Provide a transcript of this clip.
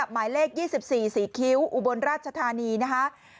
หมายเลข๒๔สีคิ้วอุบลราชธานีนะคะ